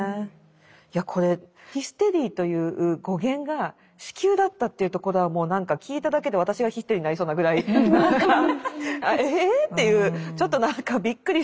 いやこれヒステリーという語源が子宮だったっていうところはもう何か聞いただけで私がヒステリーになりそうなぐらいえっ⁉というちょっと何かびっくりする語源だったんで。